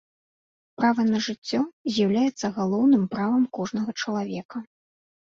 Права на жыццё з'яўляецца галоўным правам кожнага чалавека.